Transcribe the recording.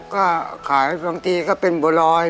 ก็ขายบางทีก็เป็นบัวรอย